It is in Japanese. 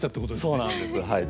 そうなんですはい。